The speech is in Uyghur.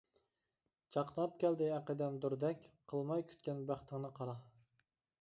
چاقناپ كەلدى ئەقىدەم دۇردەك، قىلماي كۈتكەن بەختىڭنى قارا.